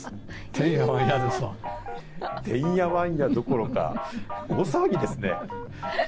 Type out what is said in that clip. てんやわんやどころか、大騒ぎですね。